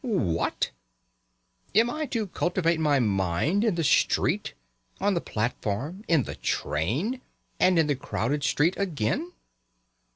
"What? I am to cultivate my mind in the street, on the platform, in the train, and in the crowded street again?"